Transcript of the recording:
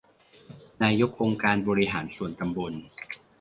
นายกองค์การบริหารส่วนตำบล